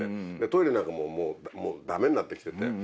トイレなんかももうダメになって来てて。